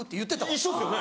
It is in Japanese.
一緒っすよね。